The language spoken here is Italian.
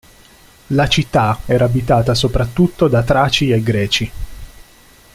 La città era abitata soprattutto da traci e greci.